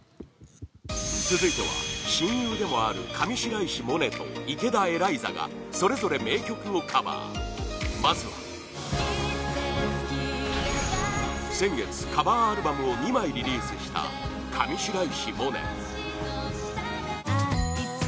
続いては、親友でもある上白石萌音と池田エライザがそれぞれ名曲をカバーまずは先月、カバーアルバムを２枚リリースした上白石萌音